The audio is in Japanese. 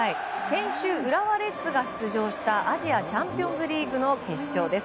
先週、浦和レッズが出場したアジアチャンピオンズリーグの決勝です。